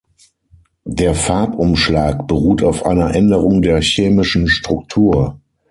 Der Farbumschlag beruht auf einer Änderung der chemischen Struktur.